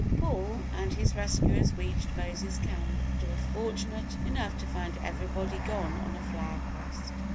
Paul and his rescuers reached Mose's camp and were fortunate enough to find everybody gone on a flower quest.